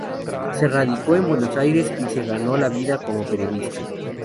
Se radicó en Buenos Aires y se ganó la vida como periodista.